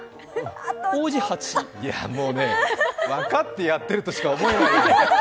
いやもうね、分かってやってるとしか思えない。